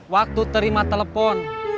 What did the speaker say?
waktu terima telepon